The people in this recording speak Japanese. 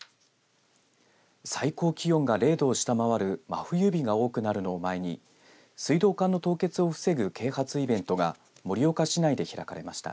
最高気温が０度を下回る真冬日が多くなるのを前に水道管の凍結を防ぐ啓発イベントが盛岡市内で開かれました。